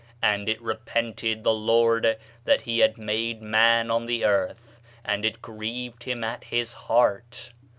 And it repented the Lord that he had made man on the earth, and it grieved him at his heart.